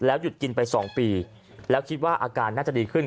หยุดกินไป๒ปีแล้วคิดว่าอาการน่าจะดีขึ้น